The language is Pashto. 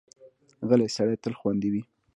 غلی سړی تل خوندي وي.